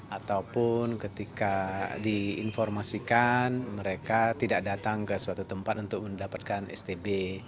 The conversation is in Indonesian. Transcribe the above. ataupun ketika diinformasikan mereka tidak datang ke suatu tempat untuk mendapatkan stb